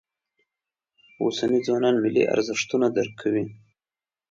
اوسني ځوانان ملي ارزښتونه درک کوي.